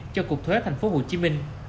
cho cục thuế tp hcm